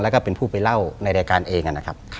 แล้วก็เป็นผู้ไปเล่าในรายการเองนะครับ